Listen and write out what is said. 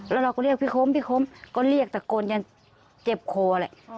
แล้วเราก็เรียกพี่คมพี่คมก็เรียกตะโกนยันเจ็บคอแหละ